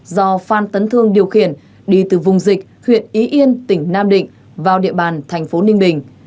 do phan tấn thương điều khiển đi từ vùng dịch huyện ý yên tỉnh nam định vào địa bàn thành phố ninh bình